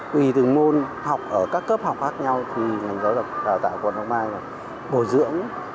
tùy từng môn học ở các cấp học khác nhau thì giáo dục đào tạo quần học mai là bồi dưỡng